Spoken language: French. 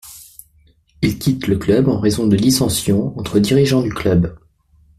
Il quitte le club en raison de dissensions entre dirigeants du club.